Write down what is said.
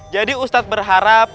jadi ustadz berharap